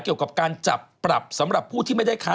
เกี่ยวกับการจับปรับสำหรับผู้ที่ไม่ได้ค้า